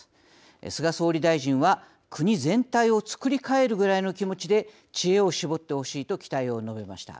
菅総理大臣は国全体を作り変えるぐらいの気持ちで知恵をしぼってほしいと期待を述べました。